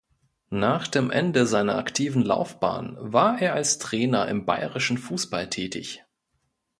Nach dem Ende seiner aktiven Laufbahn war er als Trainer im bayerischen Fußball tätig.